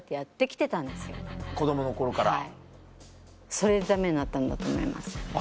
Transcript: それでダメになったんだと思います。